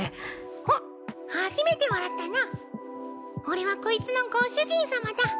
「おっ初めて笑ったな俺はこいつのご主人様だ」